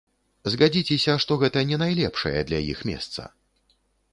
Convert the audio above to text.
Згадзіцеся, што гэта не найлепшае для іх месца.